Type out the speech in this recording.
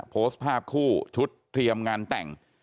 โพสต์ภาพคู่ชุดเตรียมงานแต่ง